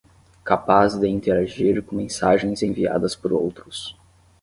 capaz de interagir com mensagens enviadas por outros